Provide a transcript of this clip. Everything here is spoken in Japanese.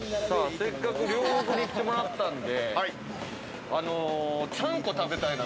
せっかく両国に来てもらったので。